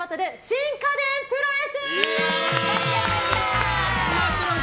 新家電プロレス！